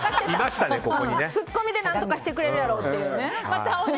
ツッコミで何とかしてくれるやろっていう。